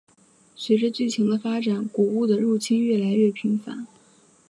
随着剧情的发展古物的入侵越来越频繁。